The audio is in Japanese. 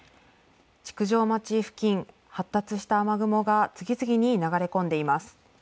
築上町付近、発達した雨雲が次々に流れ込んでいます。